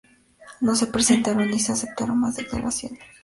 No se presentaron ni se aceptaron más declaraciones.